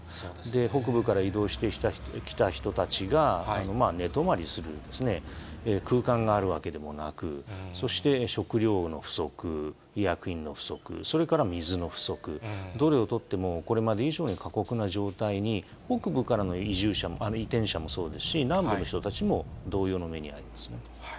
北部から移動してきた人たちが寝泊まりする空間があるわけでもなく、そして食料の不足、医薬品の不足、それから水の不足、どれをとっても、これまで以上に過酷な状態に、北部からの移住者も、移転者もそうですし、南部の人たちも同様の目に遭いますね。